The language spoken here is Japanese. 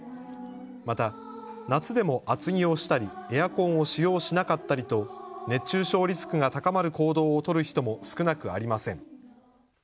また夏でも厚着をしたりエアコンを使用しなかったりと熱中症リスクが高まる行動を取る人も少なくありません。